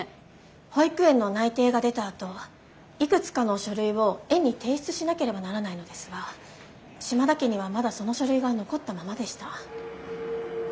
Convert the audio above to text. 保育園の内定が出たあといくつかの書類を園に提出しなければならないのですが島田家にはまだその書類が残ったままでした。